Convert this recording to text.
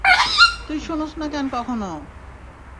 তুই শোনছ না কেন কখনও!